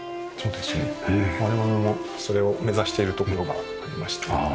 我々もそれを目指しているところがありまして。